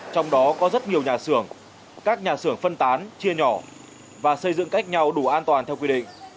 trong đó có rất nhiều nhà xưởng các nhà xưởng phân tán chia nhỏ và xây dựng cách nhau đủ an toàn theo quy định